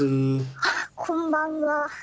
あっこんばんは。